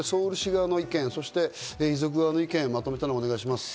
ソウル市側の意見、遺族側の意見をまとめたものをお願いします。